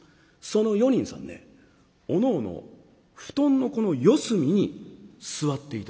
その４人さんねおのおの布団のこの四隅に座って頂きたい。